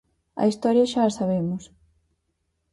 A historia xa a sabemos.